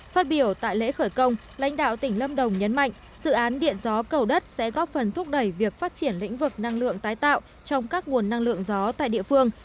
phát biểu tại lễ khởi công lãnh đạo tỉnh lâm đồng nhấn mạnh dự án điện gió cầu đất sẽ góp phần thúc đẩy việc phát triển lĩnh vực năng lượng tái tạo trong các nguồn năng lượng gió tại địa phương